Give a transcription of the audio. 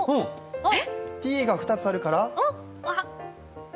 Ｔが２つあるから？